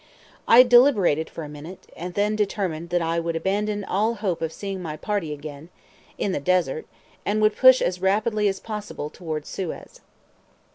I deliberated for a minute, and then determined that I would abandon all hope of seeing my party again, in the Desert, and would push forward as rapidly as possible towards Suez.